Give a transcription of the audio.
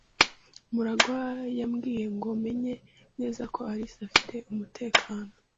Murangwa yambwiye ngo menye neza ko Alice afite umutekano.